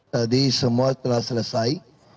tadi semua telah selesai